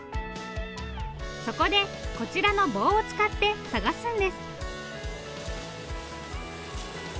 そこでこちらの棒を使って探すんです。